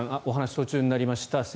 お話、途中になりました。